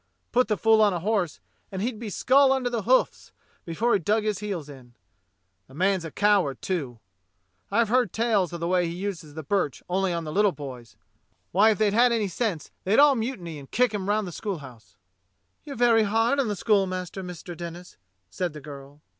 Put the fool on a horse and he'd be skull under the hoofs before he'd dug his heels in. The man's a coward, too. I've heard tales of the way he uses the birch only on the little boys. Why, if they'd any sense they'd all mutiny and kick him round the schoolhouse." " You're very hard on the schoolmaster, Mr. Denis," said the girl.